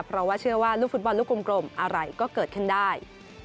เพราะว่าเชื่อว่าลูกฟุตบอลลูกกลมอะไรก็เกิดขึ้นได้